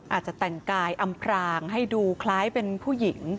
อาจจะแต่งกายอำพรางให้ดูคล้ายเป็นผู้หญิง